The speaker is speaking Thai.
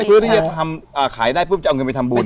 เพื่อที่จะทำขายได้ปุ๊บจะเอาเงินไปทำบุญ